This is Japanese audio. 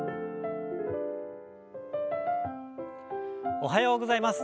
おはようございます。